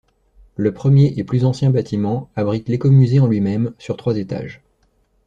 Le premier et plus ancien bâtiment abrite l'écomusée en lui-même, sur trois étages.